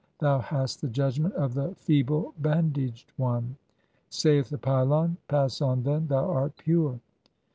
Thou hast the judgment of the feeble bandaged one." [Saith the pylon :—•] "Pass on, then, thou art pure."